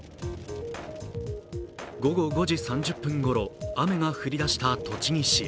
午後５時３０分ごろ、雨が降り出した栃木市。